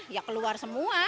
ya keluar semua